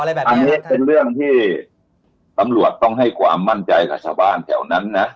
อันนี้เป็นเรื่องที่ตำรวจต้องให้ความมั่นใจกับชาวบ้านแถวนั้นนะ